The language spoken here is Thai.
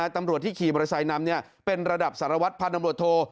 ตำรวจที่ขี่บริษัยนำเป็นระดับสารวัฒน์พันธ์ตำรวจโทร